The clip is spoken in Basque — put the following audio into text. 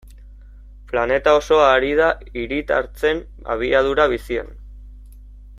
Planeta osoa ari da hiritartzen abiadura bizian.